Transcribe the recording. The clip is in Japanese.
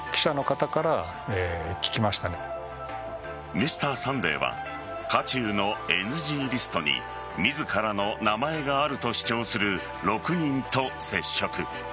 「Ｍｒ．サンデー」は渦中のＮＧリストに自らの名前があると主張する６人と接触。